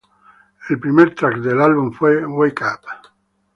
El primer track del álbum fue "Wake Up!